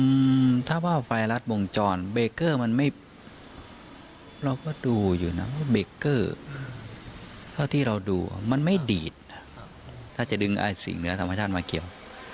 อืมถ้าว่าไฟรัดวงจรเบรกเกอร์มันไม่เราก็ดูอยู่นะว่าเบรกเกอร์เท่าที่เราดูอ่ะมันไม่ดีดนะครับถ้าจะดึงไอ้สิ่งเหนือธรรมชาติมาเกี่ยว